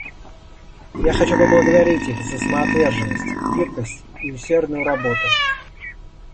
Я хочу поблагодарить их за самоотверженность, гибкость и усердную работу.